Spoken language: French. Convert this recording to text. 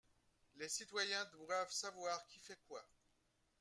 Les citoyens doivent savoir qui fait quoi